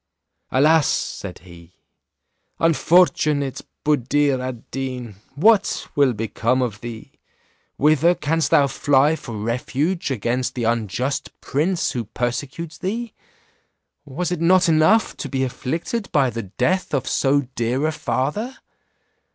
"Alas!" said he, "unfortunate Buddir ad Deen, what will become of thee? Whither canst thou fly for refuge against the unjust prince who persecutes thee? Was it not enough to be afflicted by the death of so dear a father?